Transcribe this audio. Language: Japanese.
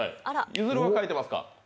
ゆずるは書いてますか？